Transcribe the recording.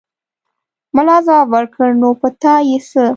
ملا ځواب ورکړ: نو په تا يې څه!